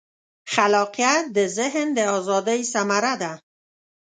خلاقیت د ذهن د ازادۍ ثمره ده.